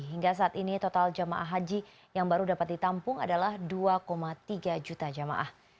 hingga saat ini total jamaah haji yang baru dapat ditampung adalah dua tiga juta jamaah